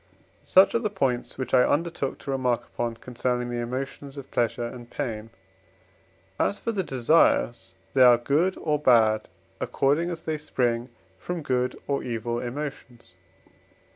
Such are the points which I undertook to remark upon concerning the emotions of pleasure and pain; as for the desires, they are good or bad according as they spring from good or evil emotions.